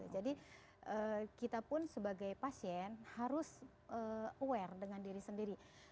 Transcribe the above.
jadi kita pun sebagai pasien harus aware dengan diri sendiri